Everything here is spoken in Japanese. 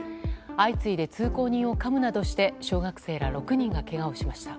相次いで通行人をかむなどして小学生ら６人がけがをしました。